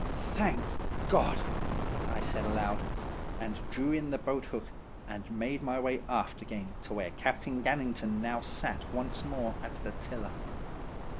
"'Thank God!' I said aloud, and drew in the boathook, and made my way aft again to where Captain Gannington now sat once more at the tiller.